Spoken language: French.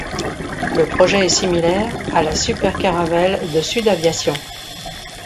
Le projet est similaire à la Super-Caravelle de Sud-Aviation.